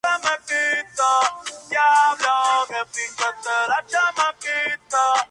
Esta se encuentra expuesta en el Castillo Hohenzollern cerca de Stuttgart, Alemania.